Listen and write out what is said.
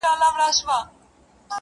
زه د یویشتم قرن ښکلا ته مخامخ یم ـ